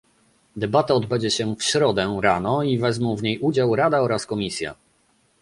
Debata odbędzie się w środę rano i wezmą w niej udział Rada oraz Komisja